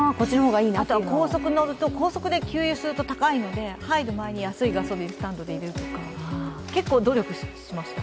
あとは高速を乗ると、高速で給油すると高いので、入るまでに安いガソリンスタンドで入れる、結構努力しました。